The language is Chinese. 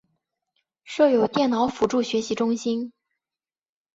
设有电脑辅助学习中心。